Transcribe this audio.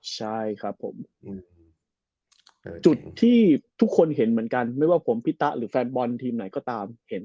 จุดที่ทุกคนเห็นเหมือนกันไม่ว่าผมพี่ตะหรือแฟนบอลทีมไหนก็ตาม